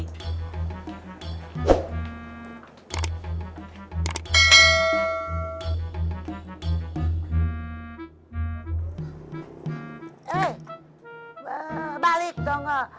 eh balik dong